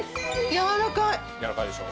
やわらかいでしょ？